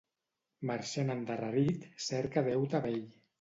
Marxant endarrerit cerca deute vell.